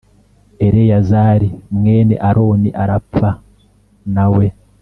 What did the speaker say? Eleyazari mwene Aroni arapfa na we